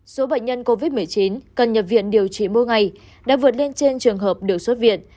số bệnh nhân covid một mươi chín cần nhập viện điều trị mỗi ngày đã vượt lên trên trường hợp được xuất viện